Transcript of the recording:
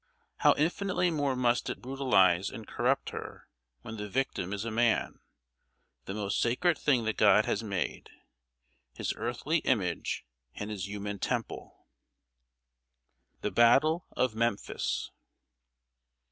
How infinitely more must it brutalize and corrupt her when the victim is a man the most sacred thing that God has made his earthly image and his human temple! [Sidenote: THE BATTLE OF MEMPHIS.